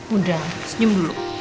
udah senyum dulu